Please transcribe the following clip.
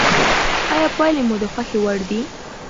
آیا پایلې مو د خوښې وړ دي؟